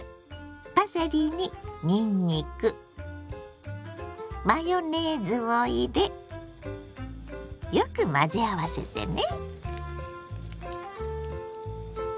パセリににんにくマヨネーズを入れよく混ぜ合わせてね。